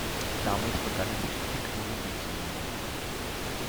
Damals begann er sich Pick-Morino zu nennen.